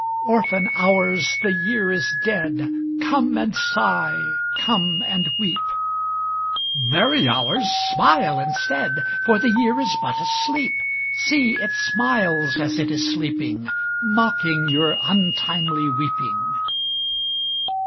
Orphan hours, the year is dead, Come and sigh, come and weep ! Merry hours, smile instead, For the year is but asleep. See, it smiles as it is sleeping, Mocking your untimely weeping.